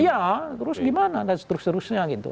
iya terus gimana dan seterusnya gitu